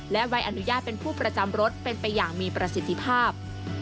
และใบอนุญาตเป็นผู้ประจำรถเป็นไปอย่างมีประสิทธิภาพ